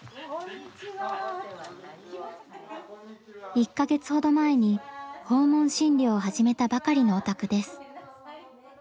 １か月ほど前に訪問診療を始めたばかりのお宅です。